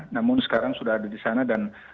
namun sekarang sudah ada di sana dan